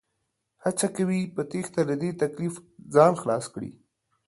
هڅه کوي په تېښته له دې تکليف ځان خلاص کړي